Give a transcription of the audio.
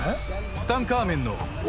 ツタンカーメン？